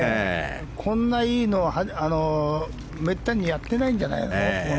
こんなにいいのはめったにやってないんじゃないの？